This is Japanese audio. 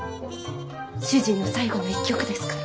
主人の最後の一局ですから。